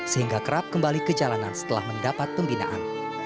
sehingga kerap kembali ke jalanan setelah mendapat pembinaan